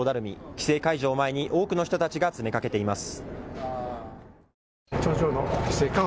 規制解除を前に多くの人たちが詰めかけています。